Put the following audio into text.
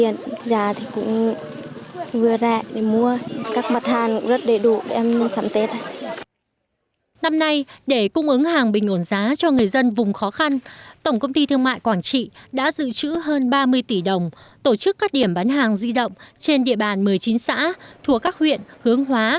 năm nay để cung ứng hàng bình ổn giá cho người dân vùng khó khăn tổng công ty thương mại quảng trị đã dự trữ hơn ba mươi tỷ đồng tổ chức các điểm bán hàng di động trên địa bàn một mươi chín xã thuộc các huyện hướng hóa